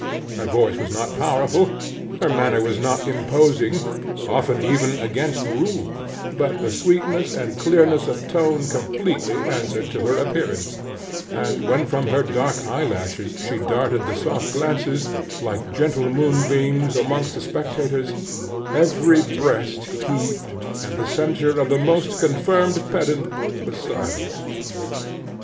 Her voice was not powerful; her manner was not imposing, often even against rule; but the sweetness and clearness of tone completely answered to her appearance; and when from her dark eyelashes she darted the soft glances, like gentle moonbeams, amongst the spectators, every breast heaved, and the censure of the most confirmed pedant was silenced.